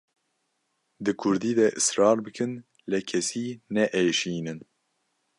Di kurdî de israr bikin lê kesî neêşînin.